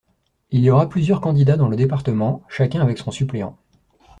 Il y aura plusieurs candidats dans le département, chacun avec son suppléant.